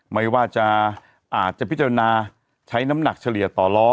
ไม่ว่าจะอาจจะพิจารณาใช้น้ำหนักเฉลี่ยต่อล้อ